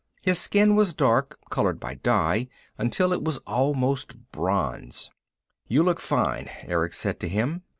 His skin was dark, colored by dye until it was almost bronze. "You look fine," Erick said to him.